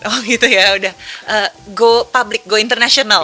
oh gitu ya udah go public go international